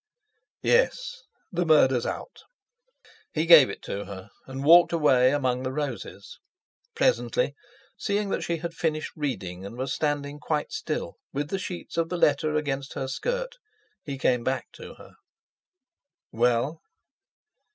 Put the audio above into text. "Yes; the murder's out." He gave it to her, and walked away among the roses. Presently, seeing that she had finished reading and was standing quite still with the sheets of the letter against her skirt, he came back to her. "Well?"